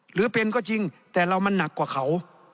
หรือเป็นก็จริงแต่เรามันหนักกว่าเขา